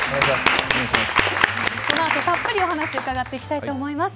この後たっぷりお話を伺いたいと思います。